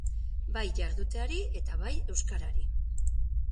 Bai jarduteari eta bai euskarari.